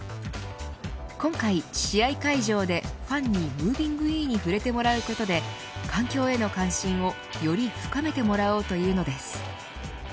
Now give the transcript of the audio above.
今回、試合会場でファンにＭｏｖｉｎｇｅに触れてもらうことで環境への関心をより深めてもらおうというのです。